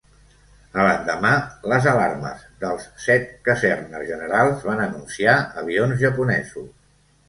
A l'endemà, les alarmes dels set casernes generals van anunciar avions japonesos.